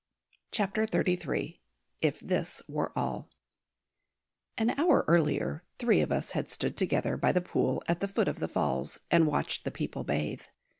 CHAPTER XXXIII If this were All AN hour earlier three of us had stood together by the pool at the foot of the Falls, and watched the people bathe.